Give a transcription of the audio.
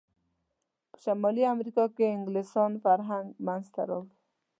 په شمالي امریکا کې انګلسان فرهنګ منځته راوړ.